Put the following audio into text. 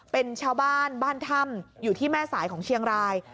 เป็นชาวบ้านบ้านถ้ำอยู่ที่แม่สายของเชียงราย